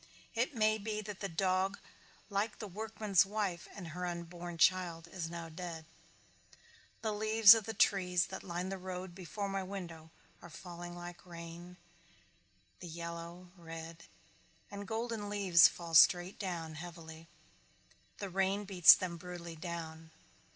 It may be that the dog like the workman's wife and her unborn child is now dead. The leaves of the trees that line the road before my window are falling like rain the yellow, red, and golden leaves fall straight down, heavily. The rain beats them brutally down.